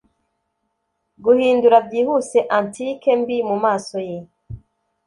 guhindura byihuse antique mbi mumaso ye.